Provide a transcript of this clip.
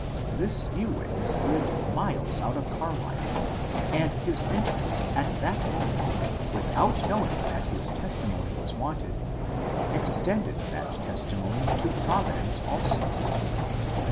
This new witness lived miles out of Carlisle, and his entrance at that moment, without knowing D&. M'CUNTOCK 63 that his testimony was wanted, extended that testimony to Providence also.